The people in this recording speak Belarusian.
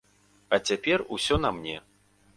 А цяпер усё на мне.